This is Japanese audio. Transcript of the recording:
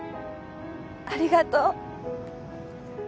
ありがとう。